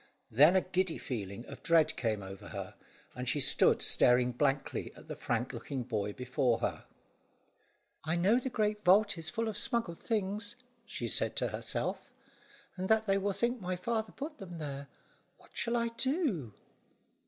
Then a giddy feeling of dread came over her, and she stood staring blankly at the frank looking boy before her. "I know the great vault is full of smuggled things," she said to herself, "and that they will think my father put them there. What shall I do?"